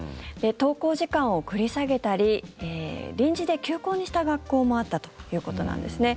登校時間を繰り下げたり臨時で休校にした学校もあったということなんですね。